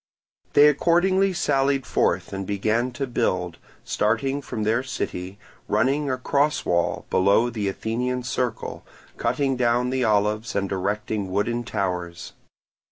They accordingly sallied forth and began to build, starting from their city, running a cross wall below the Athenian Circle, cutting down the olives and erecting wooden towers.